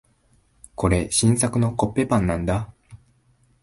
これ、新作のコッペパンなんだ。